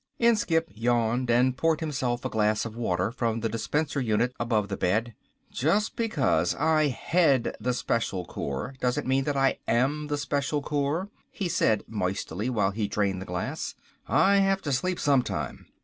Inskipp yawned and poured himself a glass of water from the dispenser unit above the bed. "Just because I head the Special Corps, doesn't mean that I am the Special Corps," he said moistly while he drained the glass. "I have to sleep sometime.